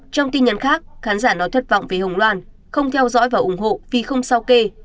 trong tin nhắn khác khán giả nói thất vọng vì hồng loan không theo dõi và ủng hộ vì không sao kê